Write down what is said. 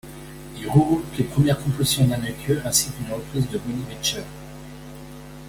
Il regroupe les premières compositions d'Anneke, ainsi qu'une reprise de Bonnie Beecher: '.